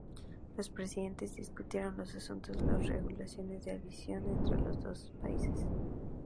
Los presidentes discutieron los asuntos de las regulaciones de aviación entre los dos países.